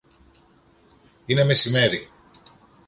Είναι μεσημέρι!